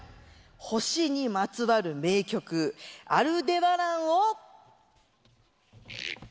星にまつわる名曲、アルデバランを。